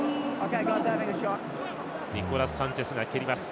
ニコラス・サンチェスが蹴ります。